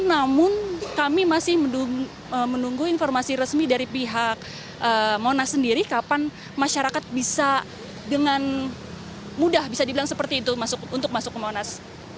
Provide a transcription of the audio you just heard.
namun kami masih menunggu informasi resmi dari pihak monas sendiri kapan masyarakat bisa dengan mudah bisa dibilang seperti itu untuk masuk ke monas